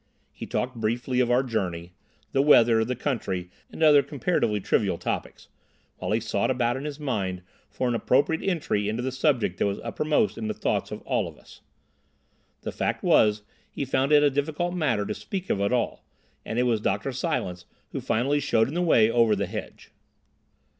He talked briefly of our journey, the weather, the country, and other comparatively trivial topics, while he sought about in his mind for an appropriate entry into the subject that was uppermost in the thoughts of all of us. The fact was he found it a difficult matter to speak of at all, and it was Dr. Silence who finally showed him the way over the hedge.